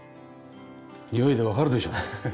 「においでわかるでしょ！」。